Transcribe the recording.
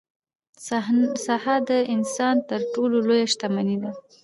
صحه د انسان تر ټولو لویه شتمني ده.